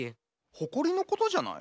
ほこりのことじゃない？